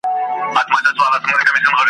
د پاولیو د پایلو شرنګ به نه وي ,